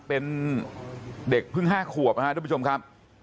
เป็นเด็กเพิ่ง๕ขวบนะครับทุกผู้ชมครับ